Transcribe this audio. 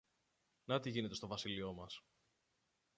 Να τι γίνεται στο βασίλειο μας!